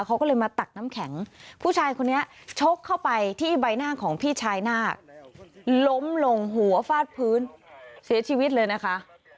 เขาก็เลยมาตักน้ำแข็งผู้ชายคนนี้ชกเข้าไปที่ใบหน้าของพี่ชายนาคล้มลงหัวฟาดพื้นเสียชีวิตเลยนะคะ